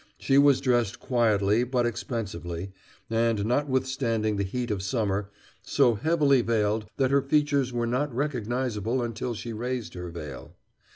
She was dressed quietly but expensively, and, notwithstanding the heat of summer, so heavily veiled that her features were not recognizable until she raised her veil.